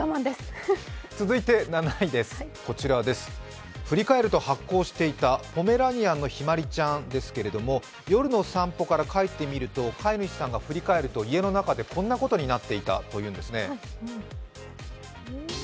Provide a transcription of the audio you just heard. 続いて７位、振り返ると発光していた、ポメラニアンのひまりちゃんですが、夜の散歩から帰ってみると飼い主さんが振り返ると家の中でこんなことになっていたというんですね。